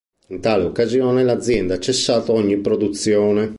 In tale occasione, l`azienda ha cessato ogni produzione.